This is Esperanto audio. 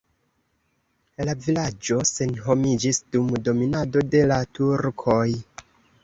La vilaĝo senhomiĝis dum dominado de la turkoj.